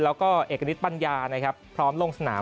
แล้วก็เอกฤทธปัญญานะครับพร้อมลงสนาม